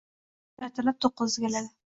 Poyezd ertalab to'qqizda keladi.